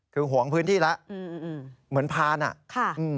คือหว้องพื้นที่แล้วเหมือนพรค่ะ